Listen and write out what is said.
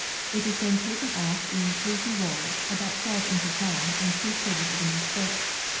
It is then taken off in fleecy rolls, about twelve inches long and three quarters of an inch thick.